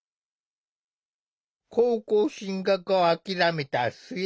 高校進学を諦めた末弘さん。